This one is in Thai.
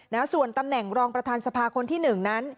นะส่วนตำแหน่งรองประทานสะพาคคนที่๑นั้น